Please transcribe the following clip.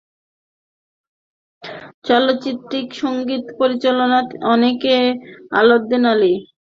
চলচ্চিত্রটির সঙ্গীত পরিচালনা করেছেন আলাউদ্দিন আলী।